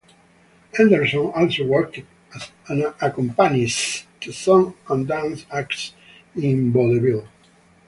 Henderson also worked as an accompanist to song and dance acts in Vaudeville.